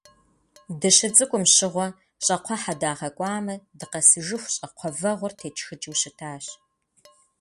Дыщыцӏыкӏум щыгъуэ щӏакхъуэхьэ дагъакӏуамэ, дыкъэсыжыху, щӏакхъуэ вэгъур тетшхыкӏыу щытащ.